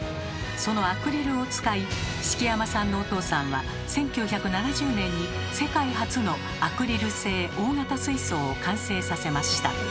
そのアクリルを使い敷山さんのお父さんは１９７０年に世界初のアクリル製大型水槽を完成させました。